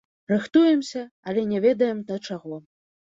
Рыхтуемся, але не ведаем, да чаго.